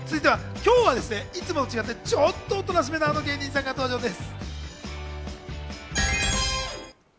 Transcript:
今日はいつもと違って、ちょっとおとなしめな、あの芸人さんが登場です。